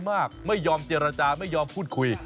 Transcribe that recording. ไม่ยอมเจรจาไม่ยอมพูดคุย